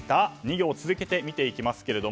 ２行続けて見ていきますが。